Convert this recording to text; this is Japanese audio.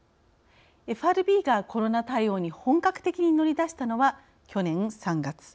ＦＲＢがコロナ対応に本格的に乗り出したのは去年３月。